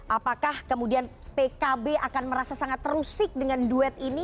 apakah kemudian pkb akan merasa sangat terusik dengan duet ini